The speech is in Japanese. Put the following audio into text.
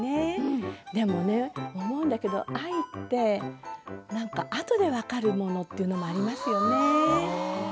でも思うんだけど愛ってあとで分かるものということもありますよね。